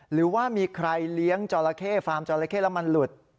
หรือว่ามีใครเลี้ยงจอราเข้ฟาร์มจอละเข้แล้วมันหลุด